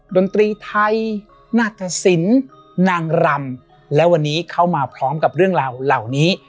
ดนตรีไทยนาฏศิลป์นางรำและวันนี้เข้ามาพร้อมกับเรื่องราวเหล่านี้